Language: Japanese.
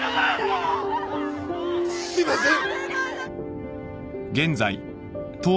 すいません